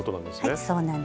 はいそうなんです。